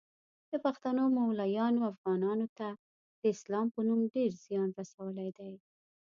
د پښتنو مولایانو افغانانو ته د اسلام په نوم ډیر ځیان رسولی دی